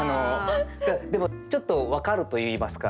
でもちょっと分かるといいますか。